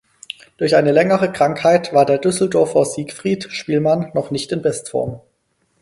Durch eine längere Krankheit war der Düsseldorfer Siegfried Spielmann noch nicht in Bestform.